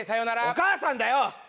「お母さんだよ」。